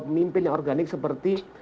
pemimpin yang organik seperti